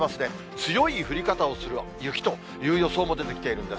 強い降り方をする雪という予想も出てきているんです。